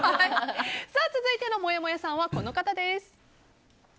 続いてのもやもやさんはこの方です。